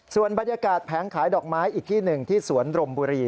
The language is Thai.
ส่วนบรรยากาศแผงขายดอกไม้อีกที่หนึ่งที่สวนรมบุรี